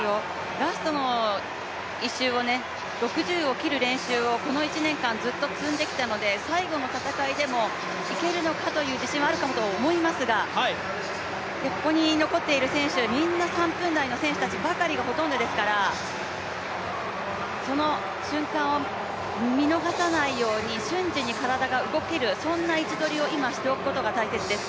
ラストの１周を６０を切る練習をずっと積んできたので最後の戦いでもいけるのかという自信はあるかと思いますが、ここに残っている選手、みんな３分台の選手がほとんどですから、その瞬間を見逃さないように瞬時に体が動けるそんな位置取りをしておくことが大切です。